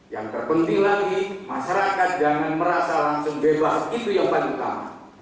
yang terpenting lagi masyarakat jangan merasa langsung bebas itu yang paling utama